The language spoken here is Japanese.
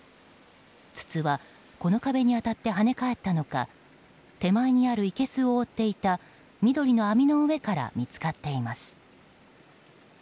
筒はこの壁に当たって跳ね返ったのか手前にあるいけすを覆っていた緑の網の上から見つかっています。